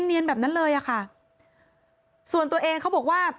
เนียนแบบนั้นเลยอ่ะค่ะส่วนตัวเองเขาบอกว่า